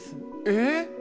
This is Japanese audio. えっ。